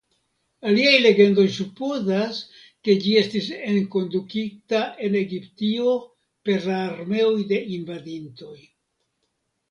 Aliaj legendoj supozas ke ĝi estis enkondukita en Egiptio per la armeoj de invadintoj.